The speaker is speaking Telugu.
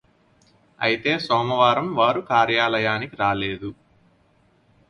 అయితే సోమవారం వారు కార్యలయానికి రాలేదు